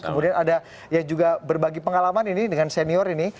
kemudian ada yang juga berbagi pengalaman ini dengan senior ini